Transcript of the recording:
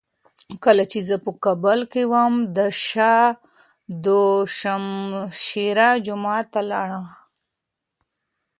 کله چي زه په کابل کي وم، د شاه دو شمشېره جومات ته لاړم.